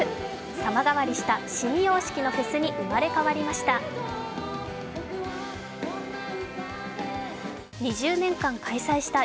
様変わりした新様式のフェスに生まれ変わりました。